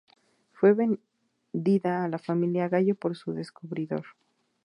Fue vendida a la familia Gallo por su descubridor.